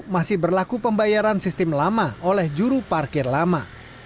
masih berlaku pembayaran sistem lama oleh juru parkir lama